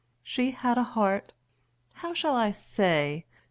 She had A heart how shall I say?